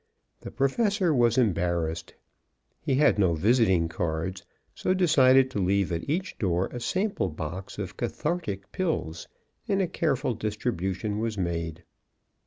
The Professor was embarrassed. He had no visiting cards, so decided to leave at each door a sample box of cathartic pills; and a careful distribution was made.